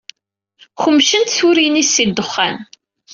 Kemcent turin-is si ddexxan.